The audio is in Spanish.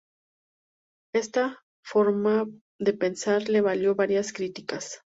Esta forma de pensar le valió varias críticas.